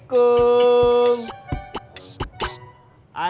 tidak ada yang nanya